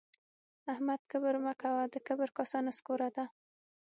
احمده کبر مه کوه؛ د کبر کاسه نسکوره ده